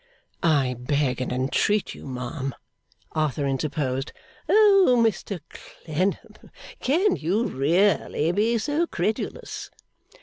'I beg and entreat you, ma'am ' Arthur interposed. 'Oh, Mr Clennam, can you really be so credulous?